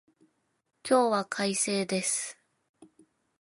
今日は快晴です。